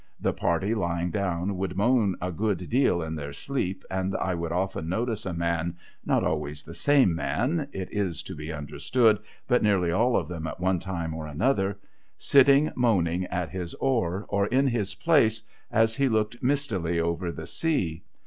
The party lying down would moan a good deal in their sleep, and I would often notice a man — not always the same man, it is to be understood, but nearly all of them at one time or other — sitting moaning at his oar, or in his place, as he looked mistily over the sea.